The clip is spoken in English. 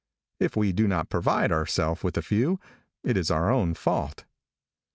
If we do not provide ourself with a few, it is our own fault.